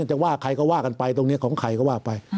จะว่าใครก็ว่ากันไปตรงนี้ของใครก็ว่าไป